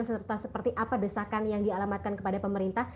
serta seperti apa desakan yang dialamatkan kepada pemerintah